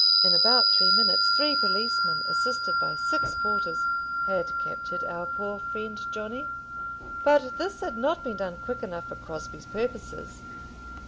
In about three minutes three policemen, assisted by six porters, had captured our poor friend Johnny; but this had not been done quick enough for Crosbie's purposes.